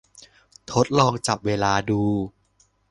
ทดลองจับเวลาดู